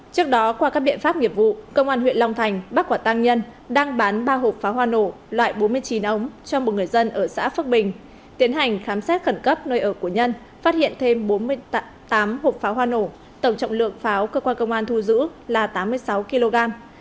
trước đó qua các biện pháp nghiệp vụ công an huyện long thành bắt quả tăng nhân đang bán ba hộp pháo hoa nổ loại bốn mươi chín ống cho một người dân ở xã phước bình tiến hành khám xét khẩn cấp nơi ở của nhân phát hiện thêm bốn mươi tám hộp pháo hoa nổ tổng trọng lượng pháo cơ quan công an thu giữ là tám mươi sáu kg